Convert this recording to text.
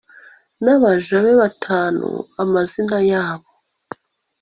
Nabaja be batanu amazina yabo